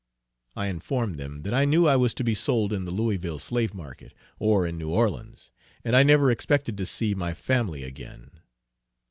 I informed them that I knew I was to be sold in the Louisville slave market, or in New Orleans, and I never expected to see my family again.